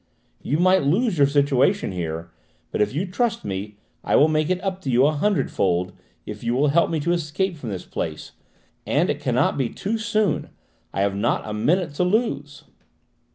You might lose your situation here, but if you trust me I will make it up to you a hundredfold, if you will help me to escape from this place! And it cannot be too soon! I have not a minute to lose!"